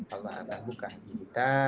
allah akan buka hidup kita